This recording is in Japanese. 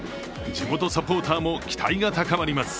地元サポーターも期待が高まります。